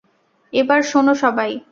এবার, শোনো সবাই।